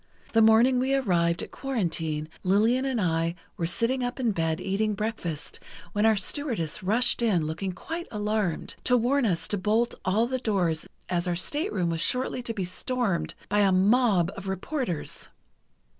The morning we arrived at Quarantine Lillian and I were sitting up in bed eating breakfast when our stewardess rushed in looking quite alarmed, to warn us to bolt all the doors as our stateroom was shortly to be stormed by a mob of reporters.